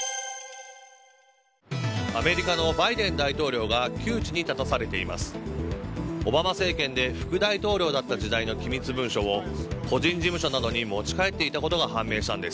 アメリカのバイデン大統領が窮地に立たされています。